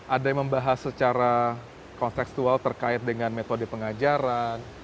ada yang membahas secara konteksual terkait dengan metode pengajaran